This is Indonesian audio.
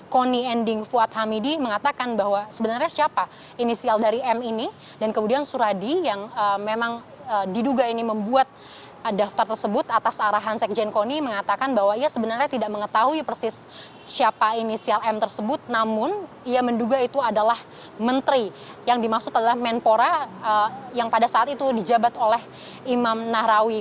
koni ending fuad hamidi mengatakan bahwa sebenarnya siapa inisial dari m ini dan kemudian suradi yang memang diduga ini membuat daftar tersebut atas arahan sekjen koni mengatakan bahwa ia sebenarnya tidak mengetahui persis siapa inisial m tersebut namun ia menduga itu adalah menteri yang dimaksud adalah menpora yang pada saat itu dijabat oleh imam nahrawi